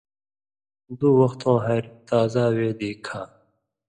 دُو وختؤں ہریۡ تازا وے دی کھا۔